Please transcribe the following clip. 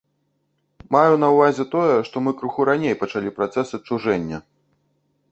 Маю на ўвазе тое, што мы крыху раней пачалі працэс адчужэння.